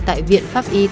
tại viện pháp y tế hà nội